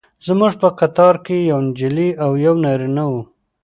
زموږ په قطار کې یوه نجلۍ او یو نارینه و.